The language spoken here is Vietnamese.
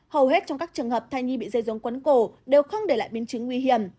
hầu hết trong các trường hợp thai nhi bị dây dống quấn cổ đều không để lại biến chứng nguy hiểm